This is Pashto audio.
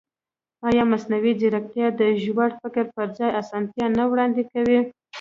ایا مصنوعي ځیرکتیا د ژور فکر پر ځای اسانتیا نه وړاندې کوي؟